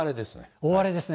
大荒れですね。